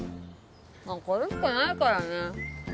まあこれしかないからね。